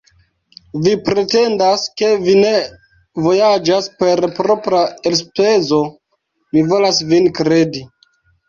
Vi pretendas, ke vi ne vojaĝas per propra elspezo; mi volas vin kredi.